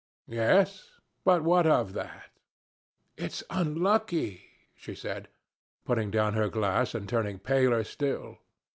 "Yes. But what of that?" "It's unlucky," she said, putting down her glass and turning paler still.